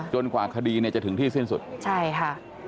กว่าคดีเนี่ยจะถึงที่สิ้นสุดใช่ค่ะ